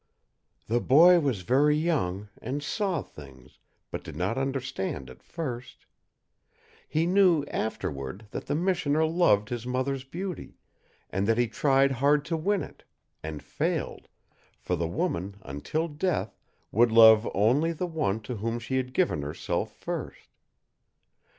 The boy was very young, and saw things, but did not understand at first. He knew, afterward, that the missioner loved his mother's beauty, and that he tried hard to win it and failed, for the woman, until death, would love only the one to whom she had given herself first.